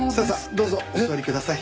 どうぞお座りください。